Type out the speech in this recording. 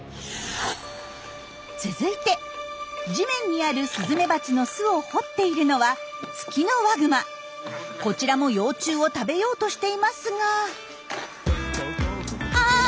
続いて地面にあるスズメバチの巣を掘っているのはこちらも幼虫を食べようとしていますがあ痛そう！